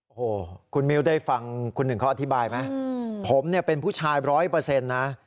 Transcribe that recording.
โอ้โหคุณมิ้วได้ฟังคุณหนึ่งเขาอธิบายไหมผมเนี่ยเป็นผู้ชายร้อยเปอร์เซ็นต์นะ